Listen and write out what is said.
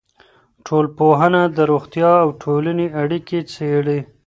ټولنپوهنه د روغتیا او ټولنې اړیکه څېړي.